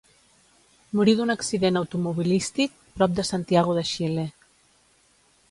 Morí d’un accident automobilístic, prop de Santiago de Xile.